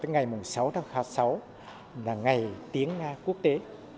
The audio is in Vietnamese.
ngày sáu tháng sáu là ngày tiếng nga quốc tế